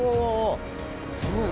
すごい。